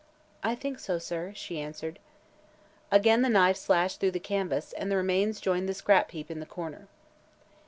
"I think so, sir," she answered. Again the knife slashed through the canvas and the remains joined the scrap heap in the corner.